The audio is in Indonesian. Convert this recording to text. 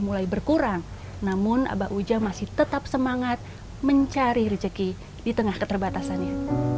mulai berkurang namun abah ujang masih tetap semangat mencari rezeki di tengah keterbatasannya